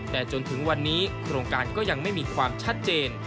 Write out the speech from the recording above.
แต่จนถึงวันนี้โครงการก็ยังไม่มีความชัดเจน